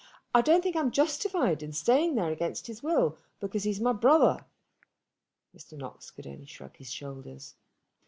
I don't think I am justified in staying there against his will because he is my brother." Mr. Knox could only shrug his shoulders.